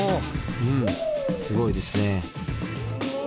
うんすごいですね。